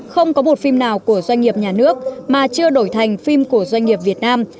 không có bột phim nào của doanh nghiệp nhà nước mà chưa đổi thành phim của doanh nghiệp việt nam